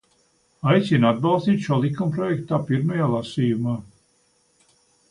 Aicinu atbalstīt šo likumprojektu tā pirmajā lasījumā.